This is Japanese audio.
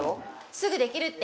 すぐできるって。